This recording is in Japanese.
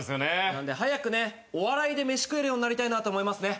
なので早くねお笑いでメシ食えるようになりたいなと思いますね。